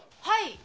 はい。